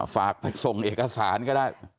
ฝากไปส่งเอกสารก็ได้